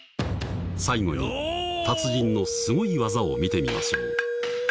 最後にたつじんのすごい技を見てみましょう。